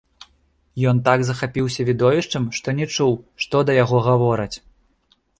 Ён так захапіўся відовішчам, што не чуў, што да яго гавораць.